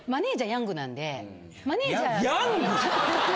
ヤング！